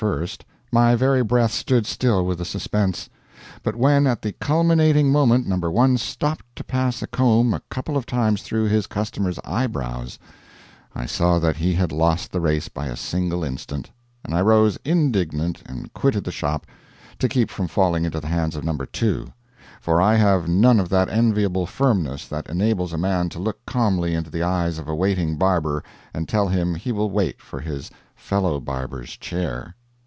first, my very breath stood still with the suspense. But when at the culminating moment No. 1 stopped to pass a comb a couple of times through his customer's eyebrows, I saw that he had lost the race by a single instant, and I rose indignant and quitted the shop, to keep from falling into the hands of No. 2; for I have none of that enviable firmness that enables a man to look calmly into the eyes of a waiting barber and tell him he will wait for his fellow barber's chair.